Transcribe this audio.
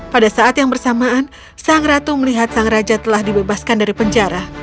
pada saat yang bersamaan sang ratu melihat sang raja telah dibebaskan dari penjara